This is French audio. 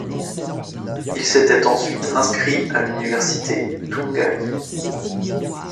Il s'était ensuite inscrit à l'université Tunghai.